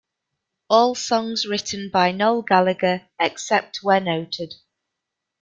All songs written by Noel Gallagher, except where noted.